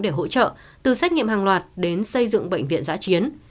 để hỗ trợ từ xét nghiệm hàng loạt đến xây dựng bệnh viện giã chiến